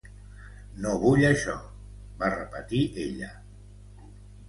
"No vull això", va repetir ella.